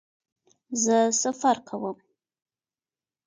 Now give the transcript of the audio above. زه سفر کوم